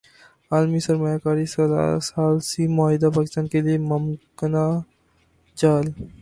عالمی سرمایہ کاری ثالثی معاہدہ پاکستان کیلئے ممکنہ جال